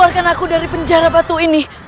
keluarkan aku dari penjara batu ini